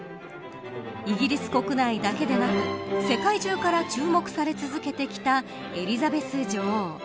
イギリス国内だけでなく世界中から注目され続けてきたエリザベス女王。